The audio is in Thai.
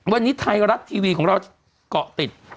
วันนี้ไทยรัฐทีวีของเราเกาะติด